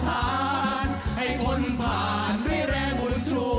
ให้คนผ่านด้วยแรงบุญช่วย